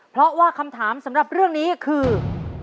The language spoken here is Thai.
เพราะว่าคำถามสำหรับเรื่องนี้คือ